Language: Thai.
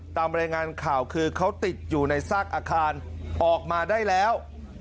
ตามรายงานข่าวคือเขาติดอยู่ในซากอาคารออกมาได้แล้ว